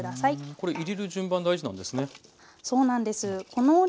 これ入れる順番大事なんですね。